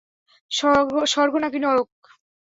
স্বর্গ নাকি নরক?